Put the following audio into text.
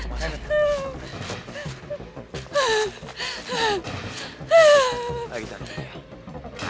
sudah selesai makan